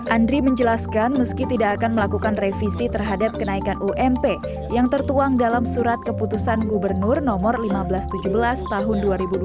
andri menjelaskan meski tidak akan melakukan revisi terhadap kenaikan ump yang tertuang dalam surat keputusan gubernur no seribu lima ratus tujuh belas tahun dua ribu dua puluh